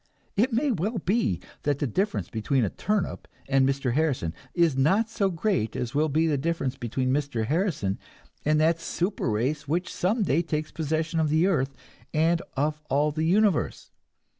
It may well be that the difference between a turnip and Mr. Harrison is not so great as will be the difference between Mr. Harrison and that super race which some day takes possession of the earth and of all the universe.